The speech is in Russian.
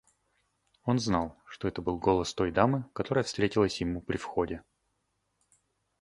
Он знал, что это был голос той дамы, которая встретилась ему при входе.